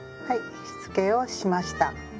はいしつけをしました。